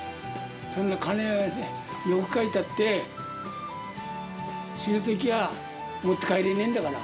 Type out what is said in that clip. そんな金、欲かいたって、死ぬときは持ってかれねえんだから。